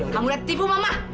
kamu udah tipu mama